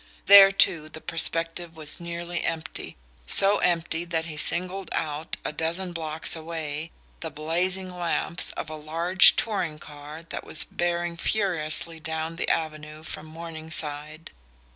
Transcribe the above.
There too the perspective was nearly empty, so empty that he singled out, a dozen blocks away, the blazing lamps of a large touring car that was bearing furiously down the avenue from Morningside.